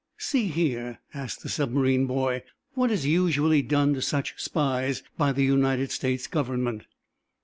"See here," asked the submarine boy, "what is usually done to such spies by the United States Government?"